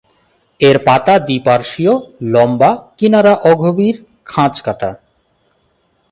এর পাতা দ্বি-পার্শ্বীয়, লম্বা, কিনারা অগভীর খাঁজকাটা।